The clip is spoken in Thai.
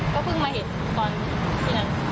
ก็เพิ่งมาเห็นตอนที่นั้น